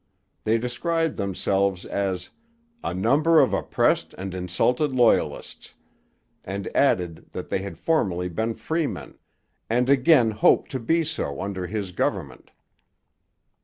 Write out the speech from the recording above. They described themselves as 'a number of oppressed and insulted Loyalists,' and added that they had formerly been freemen, and again hoped to be so under his government.